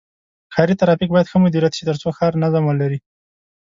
ښاري ترافیک باید ښه مدیریت شي تر څو ښار نظم ولري.